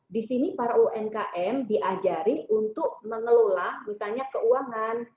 di sini para umkm diajari untuk mengelola misalnya keuangan